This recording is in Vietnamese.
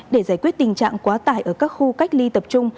để giải quyết tình trạng quá tải ở các khu cách ly tập trung